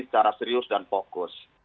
secara serius dan fokus